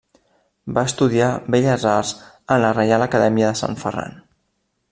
Va estudiar Belles arts en la Reial Acadèmia de Sant Ferran.